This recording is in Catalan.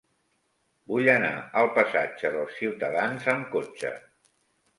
Vull anar al passatge dels Ciutadans amb cotxe.